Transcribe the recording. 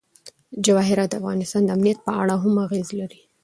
جواهرات د افغانستان د امنیت په اړه هم اغېز لري.